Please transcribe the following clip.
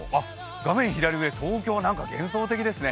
画面左上、東京なんだか幻想的ですね。